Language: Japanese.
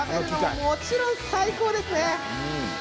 もちろん最高ですね。